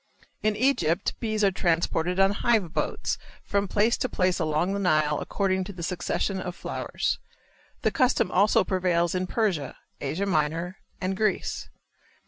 In Egypt bees are transported on hive boats from place to place along the Nile according to the succession of flowers. The custom also prevails in Persia, Asia Minor and Greece.